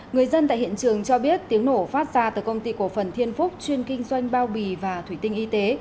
người dân tại hiện trường cho biết tiếng nổ phát ra từ công ty cổ phần thiên phúc chuyên kinh doanh bao bì và thủy tinh y tế